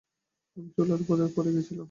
আমি চুলার উপর পড়ে গিয়েছিলাম।